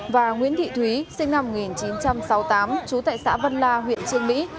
và nguyễn thị thúy sinh năm một nghìn chín trăm sáu mươi tám trú tại xã vân la huyện trương mỹ